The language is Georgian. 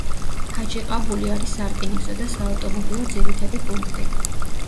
ჰაჯიყაბული არის სარკინიგზო და საავტომობილო ძირითადი პუნქტი.